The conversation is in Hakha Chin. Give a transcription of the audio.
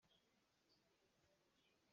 Zawng rual rual khat nih kan fangvoi an ei dih.